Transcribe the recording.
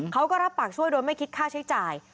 เขาก็รับปากช่วยโดยไม่คิดค่าใช้จ่าย